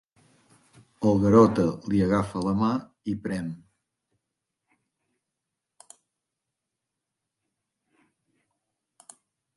El Garota li agafa la mà i prem.